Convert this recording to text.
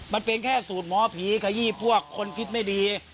มันเป็นแค่สูตรหมอผีขยี้พวกคนคิดไม่ดี